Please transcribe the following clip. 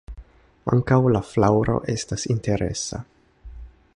Ankaŭ la flaŭro estas interesa.